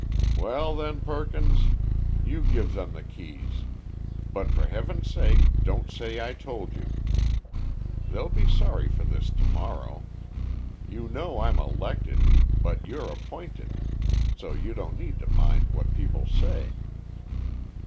"Well then, Perkins, you give them the keys; but for Heaven's sake don't say I told you. They'll be sorry for this to morrow. You know I'm elected, but you're appointed, so you don't need to mind what people say."